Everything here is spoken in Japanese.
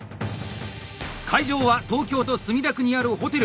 会場は東京都墨田区にあるホテル。